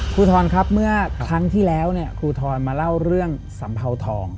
ทรครับเมื่อครั้งที่แล้วครูทรมาเล่าเรื่องสัมเภาทอง